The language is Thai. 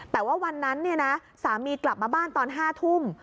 แต่ว่าวันนั้นสามีกลับมาบ้านตอน๕ทุ่ม